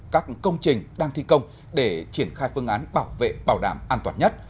các công trình đang thi công để triển khai phương án bảo vệ bảo đảm an toàn nhất